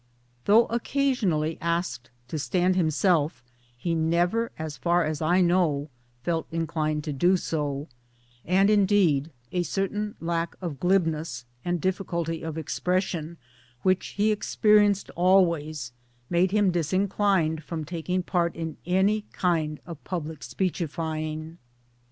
Though occasionally asked to stand him self he never as far as I know felt inclined to do so, and indeed a certain lack of glibness and difficulty of expression which he experienced always made him disinclined from taking part in any kind of public speechifying.